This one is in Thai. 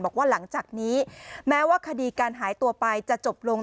บอกว่าหลังจากนี้แม้ว่าคดีการหายตัวไปจะจบลง